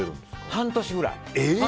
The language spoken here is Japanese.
半年くらい。